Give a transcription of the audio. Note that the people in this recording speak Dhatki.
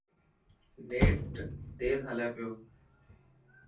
نيٽ تيز هلي پيو.